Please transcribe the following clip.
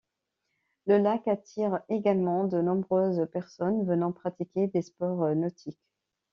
Le lac attire également de nombreuses personnes venant pratiquer des sports nautiques.